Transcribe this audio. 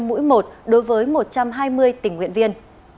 mũi một đối với một trăm hai mươi tình nguyện viên